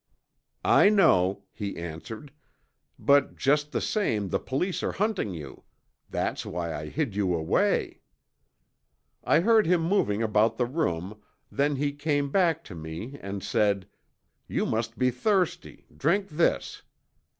"'I know,' he answered. 'But just the same the police are hunting you. That's why I hid you away.' "I heard him moving around the room, then he came back to me and said, 'You must be thirsty. Drink this.'